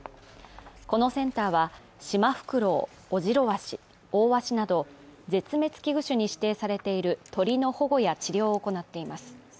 このセンターは、シマフクロウ、オジロワシ、オオワシなど絶滅危惧種に指定されている鳥の保護や治療を行っています。